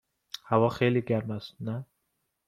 هوا خیلی گرم است، نه؟